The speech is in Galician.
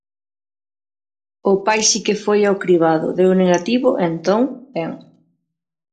O pai si que foi ao cribado, deu negativo e entón ben.